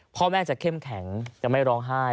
พ่อแม่จะเข้มแข็งจะไม่ร้องไห้